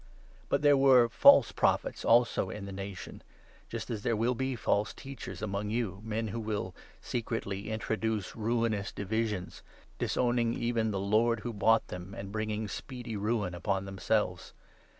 But there were false prophets also in the nation, just as there will be false teachers among you, men who will secretly intro duce ruinous divisions, disowning even the Lord who bought them, and bringing speedy Ruin upon themselves.